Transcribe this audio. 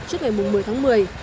trước ngày một mươi tháng một mươi